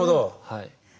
はい。